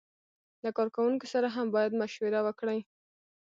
له کارکوونکو سره هم باید مشوره وکړي.